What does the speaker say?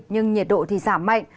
nhưng nhiệt độ thì giảm mạnh